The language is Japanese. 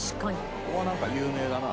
ここはなんか有名だな。